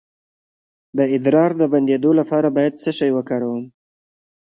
د ادرار د بندیدو لپاره باید څه شی وکاروم؟